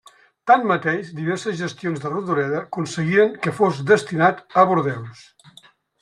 Tanmateix, diverses gestions de Rodoreda aconseguiren que fos destinat a Bordeus.